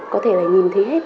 có thể là nhìn thấy hết